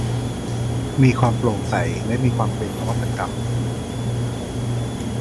มีความโปร่งใส และมีความเป็นนวัตกรรม